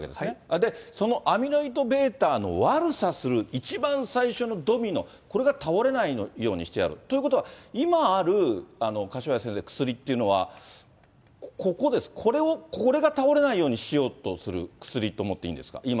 で、そのアミロイドβの悪さする一番最初のドミノ、これが倒れないようにしてやる。ということは、今ある、柏谷先生、薬っていうのは、ここです、これが倒れないようにしようとする薬と思っていいんですか？